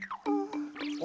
あ。